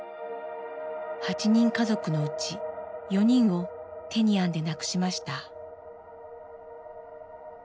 ８人家族のうち４人をテニアンで亡くしました。